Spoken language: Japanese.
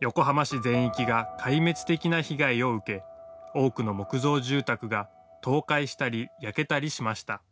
横浜市全域が壊滅的な被害を受け多くの木造住宅が倒壊したり焼けたりしました。